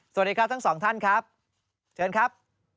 สวัสดีครับทั้งสองท่านครับเชิญครับ